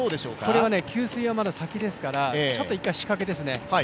これは給水はまだ先ですから、ちょっと一回仕掛けですね。